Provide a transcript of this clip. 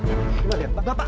gua lihat bapak